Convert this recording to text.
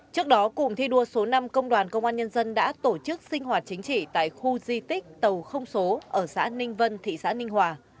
trước đó cụm thi đua số năm công đoàn công an nhân dân đã tổ chức sinh hoạt chính trị tại khu di tích tàu không số ở xã ninh vân thị xã ninh hòa